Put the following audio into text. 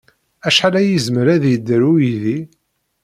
Acḥal ay yezmer ad yedder uydi?